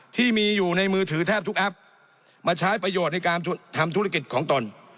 ที่มีอยู่ในมือถือแทบทุกแอปมาใช้ประโยชน์ในการทำธุรกิจของตน